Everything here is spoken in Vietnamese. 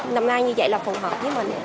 năm nay như vậy là phù hợp với mình